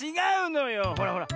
ほらほら